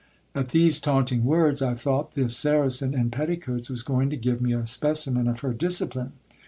At these taunting words, I thought this saracen in petticoats was going to give me a specimen of her discipline.